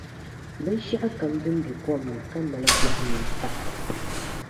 Binshɛɣukam din be kom ni ka mali gɔhi mini paɣiri.